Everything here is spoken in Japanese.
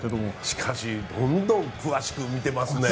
しかし、どんどん詳しく見ていますね